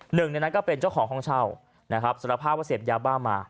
หนึ่งในนั้นก็เป็นเจ้าของห้องเช่านะครับสารภาพว่าเสพยาบ้ามา